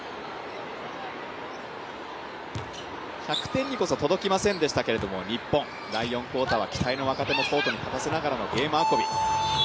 １００点にこそ届きませんでしたけれども日本、第４クオーターは期待の若手もコートに立たせながらのゲーム運び。